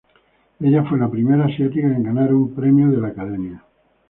Ella fue la primera asiática en ganar un premio de la academia.